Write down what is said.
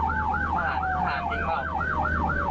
ก็ให้คุณญาติตัวเองตอบเนาะ